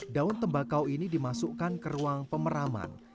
daun tembakau ini dimasukkan ke ruang pemeraman